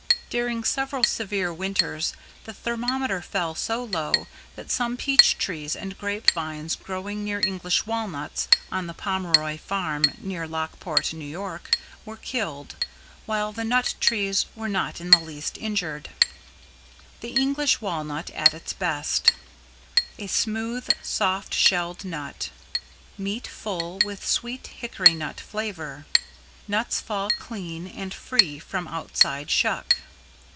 During several severe Winters, the thermometer fell so low that some peach trees and grape vines growing near English Walnuts on the Pomeroy farm near Lockport, N.Y. were killed, while the nut trees were not in the least injured. The English Walnut at its Best. A smooth, soft shelled nut. Meat full, with sweet, hickory nut flavor. Nuts fall clean and free from outside shuck.